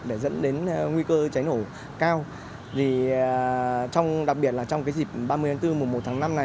để dẫn đến nguy cơ cháy nổ cao vì đặc biệt là trong cái dịp ba mươi tháng bốn mùa một tháng năm này